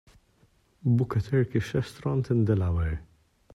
book a turkish restaurant in Delaware